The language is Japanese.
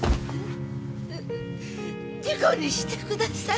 事故にしてください！